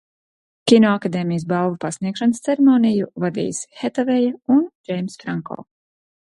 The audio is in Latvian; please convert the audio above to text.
Kinoakadēmijas balvu pasniegšanas ceremoniju vadīs Hetaveja un Džeimss Franko.